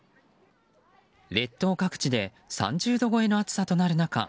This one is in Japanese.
列島各地で３０度超えの暑さとなる中